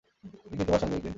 বিপিন, তোমার সঙ্গে– বিপিন।